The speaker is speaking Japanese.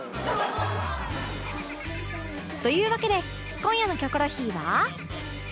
というわけで今夜の『キョコロヒー』は